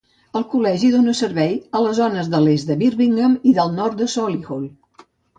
El Col·legi dona servei a les zones de l'est de Birmingham i del nord de Solihull.